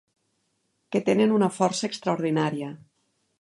Que tenen una força extraordinària.